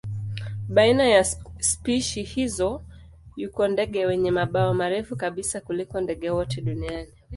Baina ya spishi hizi yuko ndege wenye mabawa marefu kabisa kuliko ndege wote duniani.